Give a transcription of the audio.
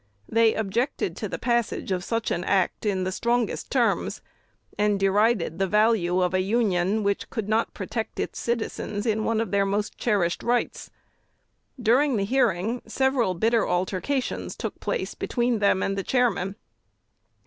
They objected to the passage of such an act in the strongest terms, and derided the value of a Union which could not protect its citizens in one of their most cherished rights. During the hearing, several bitter altercations took place between them and the chairman.